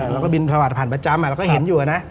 เราก็บินทบาทผ่านประจำเราก็เห็นอยู่นะ